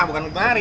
bukan muntah hari